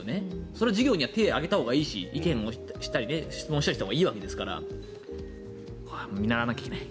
それは授業では手を挙げたほうがいいし意見もしたり質問したりしたほうがいいわけですから見習わなきゃいけない。